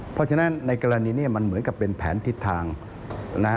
เพราะฉะนั้นในกรณีนี้มันเหมือนกับเป็นแผนทิศทางนะฮะ